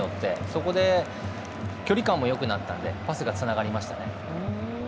そこで距離感もよくなったんでパスがつながりましたね。